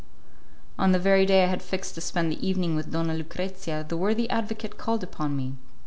On the very day I had fixed to spend the evening with Donna Lucrezia the worthy advocate called upon me.